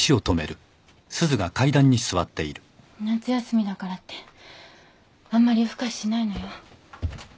夏休みだからってあんまり夜更かししないのよ。